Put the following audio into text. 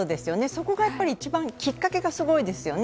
そこがやっぱり一番きっかけがすごいですよね。